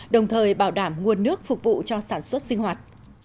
đồng thời bảo đảm nguồn nước phục vụ cho sản xuất sinh hoạt